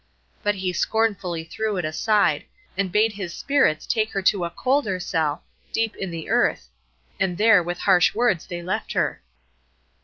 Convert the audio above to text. But he scornfully threw it aside, and bade his Spirits take her to a colder cell, deep in the earth; and there with harsh words they left her.